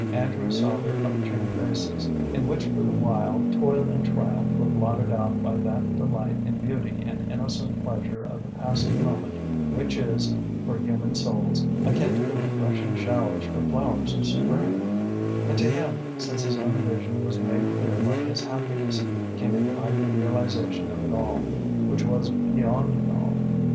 Andrew saw their upturned faces, in which for the while toil and trial were blotted out by that delight in beauty and innocent pleasure of the passing moment which is, for human souls, akin to the refreshing showers for flowers of spring; and to him, since his own vision was made clear by his happiness, came a mighty realization of it all, which was beyond it all.